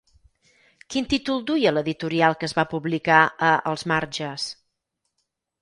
Quin títol duia l'editorial que es va publicar a Els Marges?